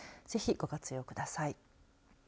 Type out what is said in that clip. ぜひ、ご活用ください。